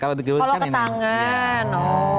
kalau ke tangan